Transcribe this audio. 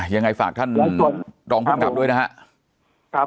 ยังไงฝากท่านรองภูมิกับด้วยนะครับ